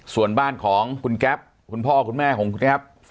ส่วนบ้านของคุณแก๊ปคุณพ่อคุณแม่ของคุณแก๊ป